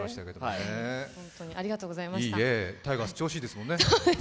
タイガース調子いいですもんね。